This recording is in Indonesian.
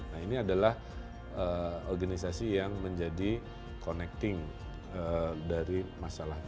nah ini adalah organisasi yang menjadi connecting dari masalah ini